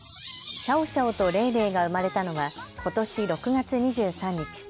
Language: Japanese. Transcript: シャオシャオとレイレイが生まれたのはことし６月２３日。